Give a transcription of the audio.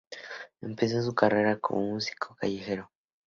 Empezó su carrera como músico callejero.